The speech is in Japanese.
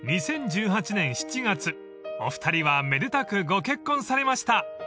［２０１８年７月お二人はめでたくご結婚されました］